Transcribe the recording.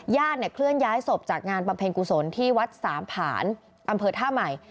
เคลื่อนย้ายศพจากงานบำเพ็ญกุศลที่วัดสามผ่านอำเภอท่าใหม่